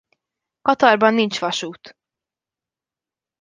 Katarban nincs vasút.